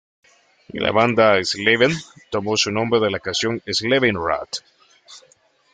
La banda Enslaved tomó su nombre de la canción "Enslaved In Rot".